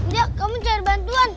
nggak kamu cari bantuan